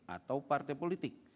atau partai politik